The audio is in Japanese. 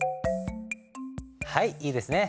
はいいいですね。